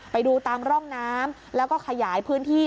ไปดูตามร่องน้ำแล้วก็ขยายพื้นที่